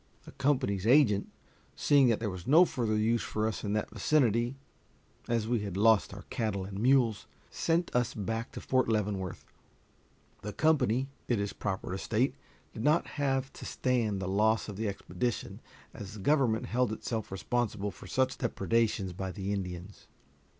The company's agent, seeing that there was no further use for us in that vicinity as we had lost our cattle and mules sent us back to Fort Leavenworth. The company, it is proper to state, did not have to stand the loss of the expedition, as the government held itself responsible for such depredations by the Indians.